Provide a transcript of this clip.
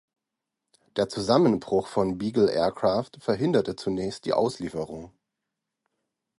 Der Zusammenbruch von Beagle Aircraft verhinderte zunächst die Auslieferung.